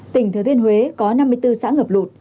tỉnh thừa thiên huế có năm mươi bốn xã ngập lụt